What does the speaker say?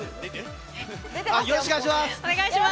よろしくお願いします。